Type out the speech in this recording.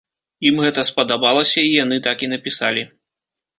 Ім гэта спадабалася, і яны так і напісалі.